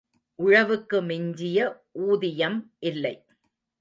உழவுக்கு மிஞ்சிய ஊதியம் இல்லை.